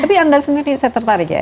tapi anda sendiri saya tertarik ya